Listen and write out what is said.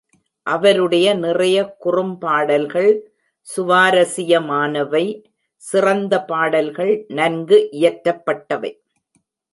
அவருடைய நிறைய குறும்பாடல்கள் சுவாரஸியமானவை, சிறந்த பாடல்கள் நன்கு இயற்றப்பட்டவை.